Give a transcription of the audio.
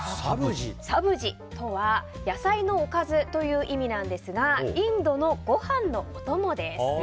サブジとは野菜のおかずという意味なんですがインドのご飯のお供です。